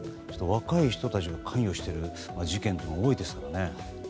若い人たちが関与している事件が多いですね。